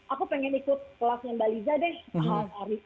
aku pengen ikut kelasnya baliza deh